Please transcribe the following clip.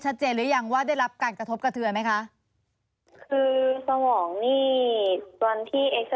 ชัดเจนหรือยังว่าได้รับการกระทบกระเทือนไหมคะคือสมองนี่วันที่